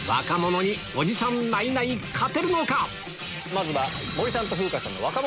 まずは。